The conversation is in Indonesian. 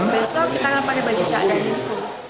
besok kita akan pakai baju cak dan iku